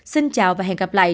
xin chào và hẹn gặp lại